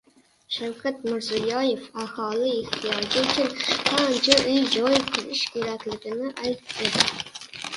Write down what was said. Shavkat Mirziyoyev aholi ehtiyoji uchun qancha uy-joy qurish kerakligini aytdi